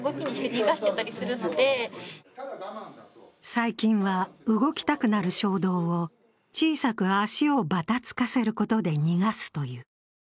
最近は、動きたくなる衝動を小さく足をバタつかせることで逃がすという。